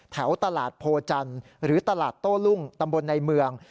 แถวตลาดโพจันทร์หรือตลาดโต้รุ่งตำบลในเมือง